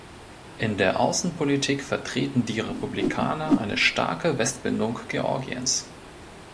In der Außenpolitik vertreten die Republikaner eine starke Westbindung Georgiens.